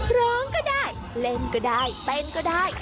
ร้องก็ได้เล่นก็ได้เต้นก็ได้